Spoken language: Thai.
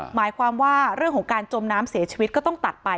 หมายความว่าเรื่องของการจมน้ำเสียชีวิตก็ต้องตัดไป